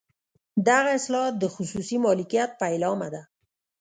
دغه اصلاحات د خصوصي مالکیت پیلامه ده.